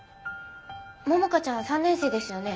桃香ちゃんは３年生ですよね？